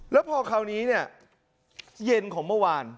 และพอคราวนี้มันว่าล้วนขณะเย็นของเมื่อวาน